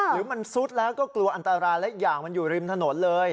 หรือมันซุดแล้วก็กลัวอันตรายและอีกอย่างมันอยู่ริมถนนเลย